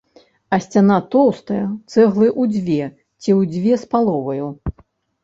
А сцяна тоўстая, цэглы ў дзве ці ў дзве з паловаю.